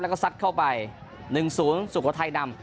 แล้วก็ซัดเข้าไปหนึ่งศูนย์สุโขทัยนำ